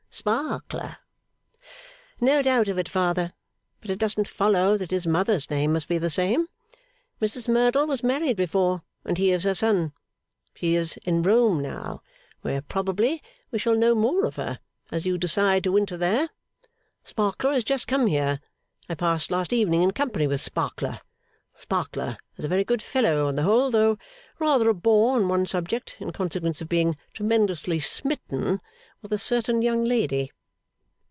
Sparkler.' 'No doubt of it, father; but it doesn't follow that his mother's name must be the same. Mrs Merdle was married before, and he is her son. She is in Rome now; where probably we shall know more of her, as you decide to winter there. Sparkler is just come here. I passed last evening in company with Sparkler. Sparkler is a very good fellow on the whole, though rather a bore on one subject, in consequence of being tremendously smitten with a certain young lady.